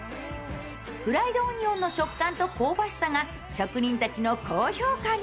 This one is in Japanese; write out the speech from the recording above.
フライドオニオンの食感と香ばしさが職人たちの高評価に。